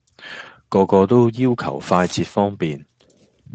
個個都要求快捷方便